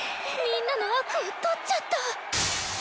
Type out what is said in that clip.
みんなの「悪」を取っちゃった！